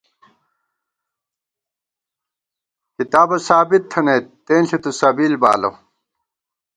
کتابہ ثابت تھنَئیت تېنݪی تُوسبیل بالہ